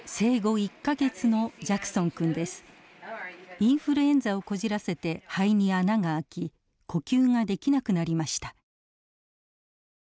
インフルエンザをこじらせて肺に穴が開き呼吸ができなくなりました。